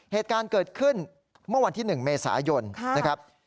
เหตุการณ์เกิดขึ้นเมื่อวันที่๑เมษายนนะครับ